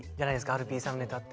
アルピーさんのネタって。